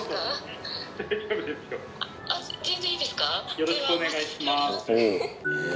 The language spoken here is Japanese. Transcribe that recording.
よろしくお願いします。